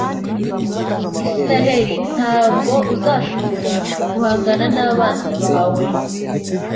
israheli; nta bwo uzashobora guhangana n'abanzi bawe